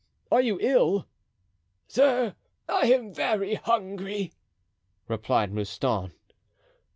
"Are you ill?" "Sir, I am very hungry," replied Mouston.